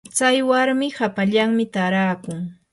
tsay warmi hapallanmi taarakun.